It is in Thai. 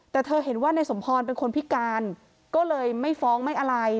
แต่เธอเห็นว่านายสมพรเป็นคนพิการก็เลยไม่ฟ้องไม่อะไร